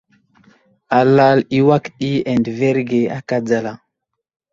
Alal i awak di adəverge aka dzala.